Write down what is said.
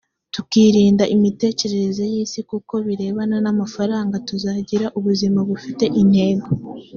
tukirinda imitekerereze y isi ku birebana n amafaranga tuzagira ubuzima bufite intego